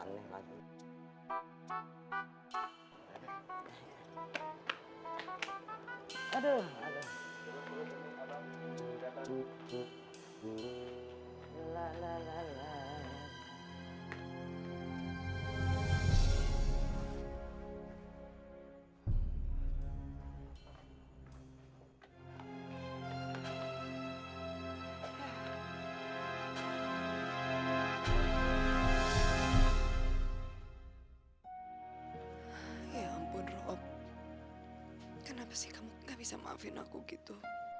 ya ampun rob kenapa sih kamu nggak bisa maafin aku gitu